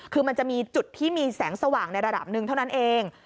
คือมันจะมีจุดที่มีแสงสว่างในระดับหนึ่งเท่านั้นเอง